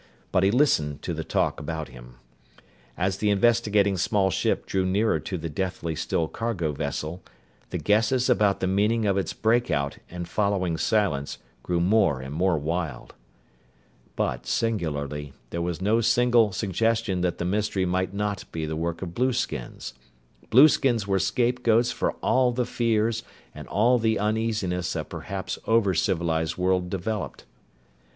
But he listened to the talk about him. As the investigating small ship drew nearer to the deathly still cargo vessel, the guesses about the meaning of its breakout and following silence grew more and more wild. But, singularly, there was no single suggestion that the mystery might not be the work of blueskins. Blueskins were scape goats for all the fears and all the uneasiness a perhaps over civilized world developed.